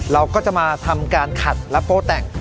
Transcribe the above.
เราก็จะมาทำการขัดและโป้แต่ง